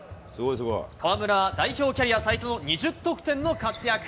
河村は代表キャリア最多の２０得点の活躍。